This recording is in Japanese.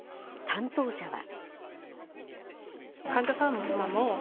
担当者は。